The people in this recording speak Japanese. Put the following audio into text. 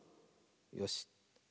よし。